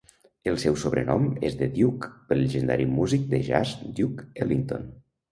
El seu sobrenom és "The Duke" pel llegendari músic de jazz Duke Ellington.